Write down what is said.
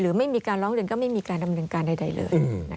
ไม่มีการร้องเรียนก็ไม่มีการดำเนินการใดเลย